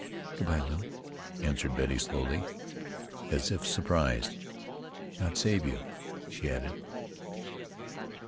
"Good bye, Lew," answered Betty slowly, as if surprised. "God save you," she added.